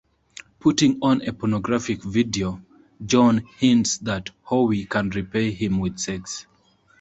Putting on a pornographic video, John hints that Howie can repay him with sex.